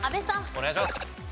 お願いします。